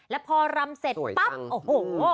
แล้วพอรำเสร็จปั๊บโอ้โห